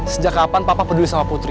sejak kapan papa peduli sama putri